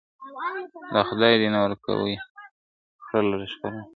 « خدای دي نه ورکوي خره لره ښکرونه ..